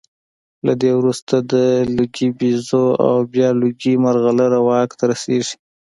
له ده وروسته د لوګي بیزو او بیا لوګي مرغلره واک ته رسېږي